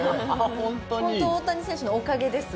本当に大谷選手のおかげです。